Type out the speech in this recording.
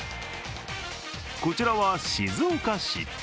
こちらは静岡市。